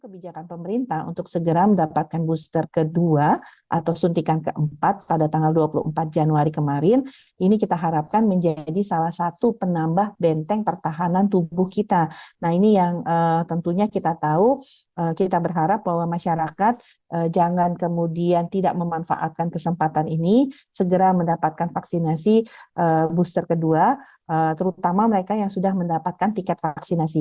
booster kedua terutama mereka yang sudah mendapatkan tiket vaksinasi